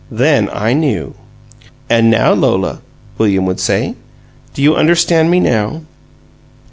THEN I KNEW!" "And now, Lola?" William would say. "Do you understand me, NOW?"